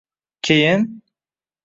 Keyin